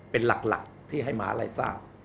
เป็นหลักที่ให้มหาลัยทราบ